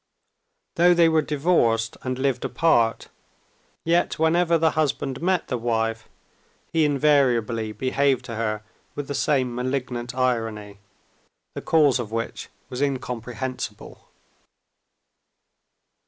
Though they were divorced and lived apart, yet whenever the husband met the wife, he invariably behaved to her with the same malignant irony, the cause of which was incomprehensible.